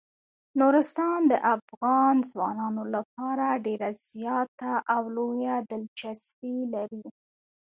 نورستان د افغان ځوانانو لپاره ډیره زیاته او لویه دلچسپي لري.